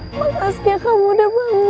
makasih kamu udah bangun